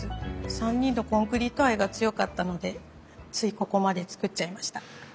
３人のコンクリート愛が強かったのでついここまで作っちゃいました。